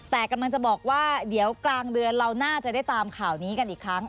แต่กำลังจะบอกว่าเดี๋ยวกลางเดือนเราน่าจะได้ตามข่าวนี้กันอีกครั้ง